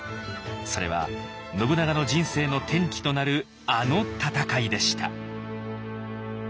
それは信長の人生の転機となるあの戦いでした。